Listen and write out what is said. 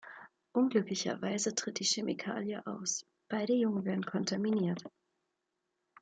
Unglücklicherweise tritt die Chemikalie aus; beide Jungen werden kontaminiert.